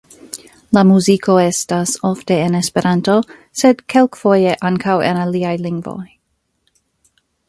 La muziko estas ofte en esperanto, sed kelkfoje ankaŭ en aliaj lingvoj.